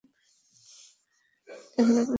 এখানে প্রশাসনিক ও একাডেমির ভবন একত্রে রয়েছে।